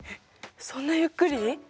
そんなゆっくり？